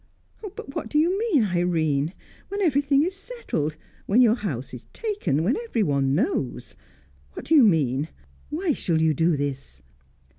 "But what do you mean, Irene? When everything is settled when your house is taken when everyone knows! What do you mean? Why shall you do this?"